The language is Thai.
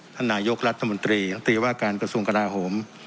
ท่านนายกรัฐมนตรีรัฐมนตรีว่าการกระทรวงกราโหม